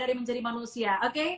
terima kasih banyak